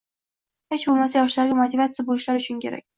Hech boʻlmasa yoshlarga motivatsiya boʻlishlari uchun kerak